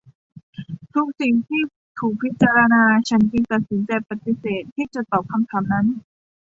ทุกสิ่งที่ถูกพิจารณา ฉันจึงตัดสินใจปฏิเสธที่จะตอบคำถามนั้น